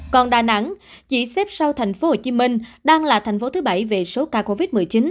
còn đà nẵng chỉ xếp sau thành phố hồ chí minh đang là thành phố thứ bảy về số ca covid một mươi chín